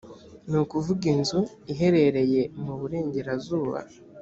ni ukuvuga inzu iherereye mu burengerazuba